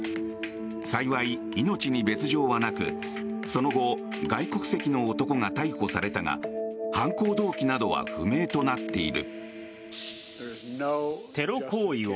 幸い、命に別条はなくその後外国籍の男が逮捕されたが犯行動機などは不明となっている。